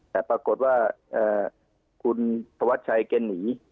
แต่ปรากฏว่าคุณสวัสดิ์ชัยเก้นหนี